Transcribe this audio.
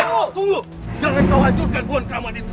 hei tunggu jangan kau hancurkan pohon keramat itu